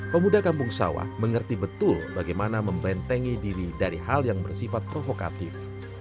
pemuda kampung sawah mengerti betul bagaimana membentengi diri dari hal yang bersifat provokatif